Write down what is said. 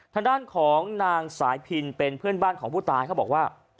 ทางด้านของนางสายพินเป็นเพื่อนบ้านของผู้ตายเขาบอกว่า